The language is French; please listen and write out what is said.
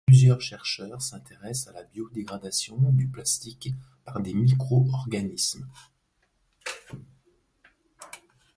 Plusieurs chercheurs s'intéressent à la biodégradation du plastique par des microorganismes.